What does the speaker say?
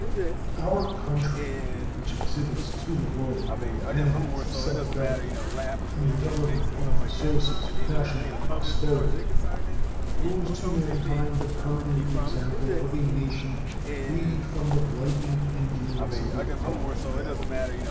Our country, which exhibits to the world the benefits of self government, in developing all the sources of national prosperity owes to mankind the permanent example of a nation free from the blighting influence of a public debt.